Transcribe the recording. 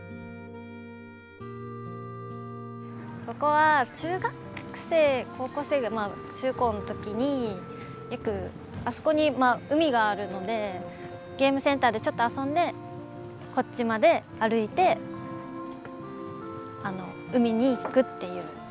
ここは中学生高校生がまあ中高の時によくあそこに海があるのでゲームセンターでちょっと遊んでこっちまで歩いて海に行くっていう。